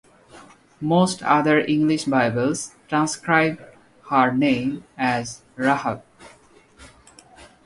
Most other English Bibles transcribe her name as Rahab.